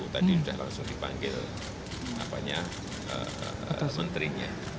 tadi sudah langsung dipanggil menterinya